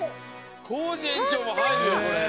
コージえんちょうもはいるよこれ。